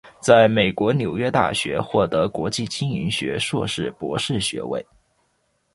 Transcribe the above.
在美国纽约大学获得国际经营学硕士博士学位。